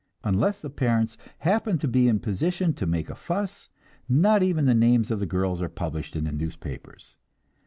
Unless the parents happen to be in position to make a fuss, not even the names of the girls are published in the newspapers.